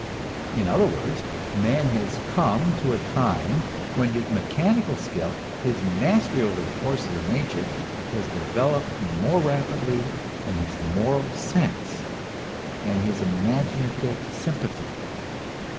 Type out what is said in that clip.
In other words, man has come to a time when his mechanical skill, his mastery over the forces of nature, has developed more rapidly than his moral sense and his imaginative sympathy.